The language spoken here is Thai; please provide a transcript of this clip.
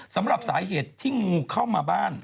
สำหรับสาเหตุที่งูเข้ามาบ้าน